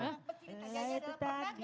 pernah gak tertib